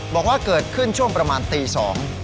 บอกว่าเกิดขึ้นช่วงประมาณตีสอง